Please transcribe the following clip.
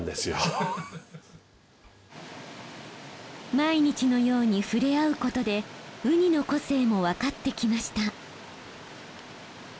毎日のように触れ合うことでウニの個性もわかってきました。